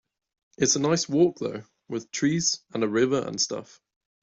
It's a nice walk though, with trees and a river and stuff.